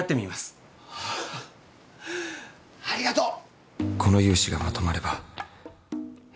ありがとう！